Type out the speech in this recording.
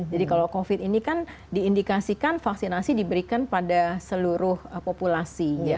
jadi kalau covid ini kan diindikasikan vaksinasi diberikan pada seluruh populasi ya